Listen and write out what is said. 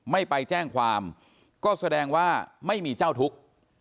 ไม่ไปแจ้งความก็แสดงว่าไม่มีเจ้าทุกข์